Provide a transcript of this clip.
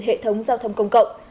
hệ thống giao thông công cộng